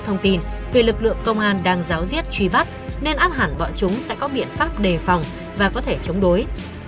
theo các thông tin vì lực lượng công an đang giáo diết truy bắt nên át hẳn bọn chúng sẽ có biện pháp đề phòng và có thể chống đối